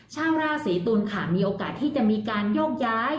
ชาวราศีตุลค่ะมีโอกาสที่จะมีการโยกย้าย